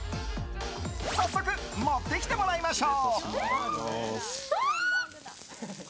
早速、持ってきてもらいましょう。